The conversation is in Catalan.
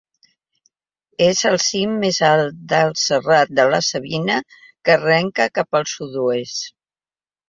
És el cim més alt del Serrat de la Savina, que n'arrenca cap al sud-oest.